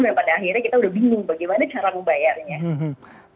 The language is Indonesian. dan pada akhirnya kita udah bingung bagaimana cara membayarnya